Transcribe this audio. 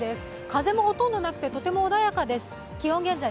風もほとんどなくてとても穏やかです。